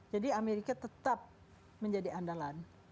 amerika tetap menjadi andalan